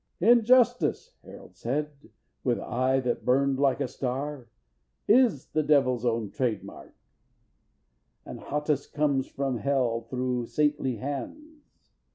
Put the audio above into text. _ "Injustice," Harold said, with eye that burned Like a star, "is the devil's own trade mark, And hottest comes from hell through saintly hands!